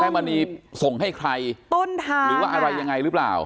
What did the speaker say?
มณีส่งให้ใครต้นทางหรือว่าอะไรยังไงหรือเปล่า